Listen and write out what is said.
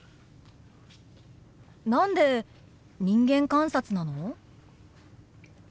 何で人間観察なの？